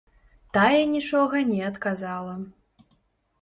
Тая нічога не адказала.